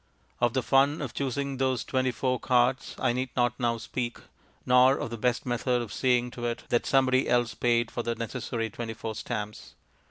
Of the fun of choosing those twenty four cards I need not now speak, nor of the best method of seeing to it that somebody else paid for the necessary twenty four stamps.